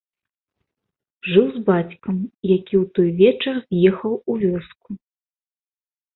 Жыў з бацькам, які ў той вечар з'ехаў у вёску.